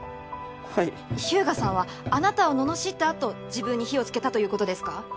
はい日向さんはあなたをののしったあと自分に火をつけたということですか？